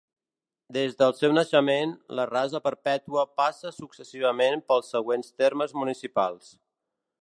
Des del seu naixement, la Rasa Perpètua passa successivament pels següents termes municipals.